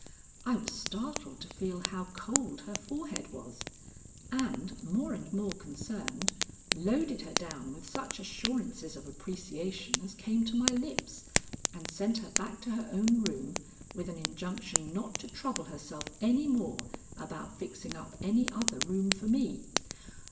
I was startled to feel how cold her forehead was, and, more and more concerned, loaded her down with such assurances of appreciation as came to my lips, and sent her back to her own room with an injunction not to trouble herself any more about fixing up any other room for me.